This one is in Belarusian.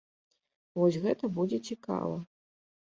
Вось гэта будзе цікава.